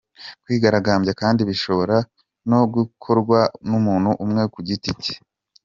Kwigaragambya kandi bishobora no gukorwa n’umuntu umwe ku giti cye.